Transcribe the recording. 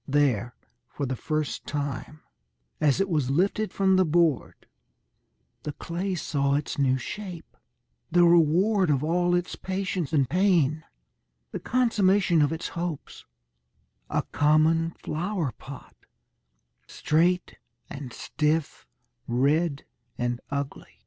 There, for the first time, as it was lifted from the board, the clay saw its new shape, the reward of all its patience and pain, the consummation of its hopes a common flower pot, straight and stiff, red and ugly.